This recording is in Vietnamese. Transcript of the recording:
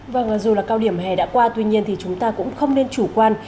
vâng dù là cao điểm hè đã qua tuy nhiên thì chúng ta cũng không nên chủ quan